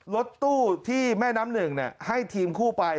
รถตู้ที่แม่น้ำหนึ่งให้ทีมคู่ไป